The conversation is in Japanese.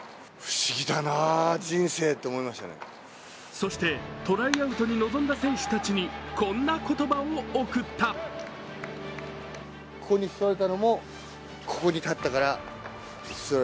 そして、トライアウトに臨んだ選手たちにこんな言葉を贈った。